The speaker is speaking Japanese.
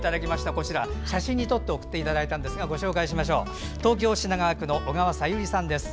こちら、写真に撮って送っていただいたんですが東京・品川区の小川小百合さんです。